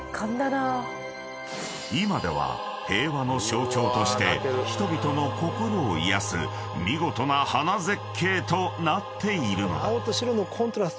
［今では平和の象徴として人々の心を癒やす見事な花絶景となっているのだ］